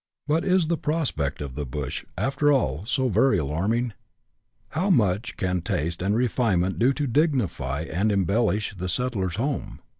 But is the prospect of the bush, after all, so very alarming ? How much can taste and refinement do to dignify and embellish the settler's home